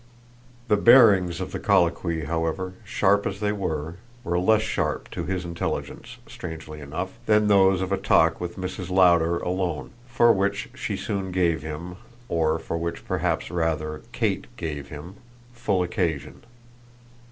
The bearings of the colloquy, however, sharp as they were, were less sharp to his intelligence, strangely enough, than those of a talk with Mrs. Lowder alone for which she soon gave him or for which perhaps rather Kate gave him full occasion.